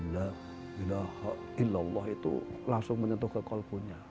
la ilaha illallah itu langsung menyentuh kekolpunya